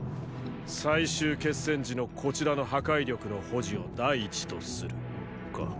最終決戦時のこちらの破壊力の保持を第一とするか。